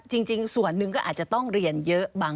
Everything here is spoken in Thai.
จริงส่วนหนึ่งก็อาจจะต้องเรียนเยอะบาง